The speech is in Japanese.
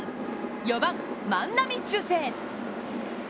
４番・万波中正。